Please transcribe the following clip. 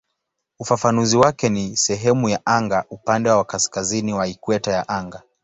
Ufafanuzi wake ni "sehemu ya anga upande wa kaskazini wa ikweta ya anga".